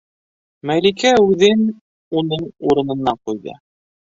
Мәликә үҙен уның урынына ҡуйҙы.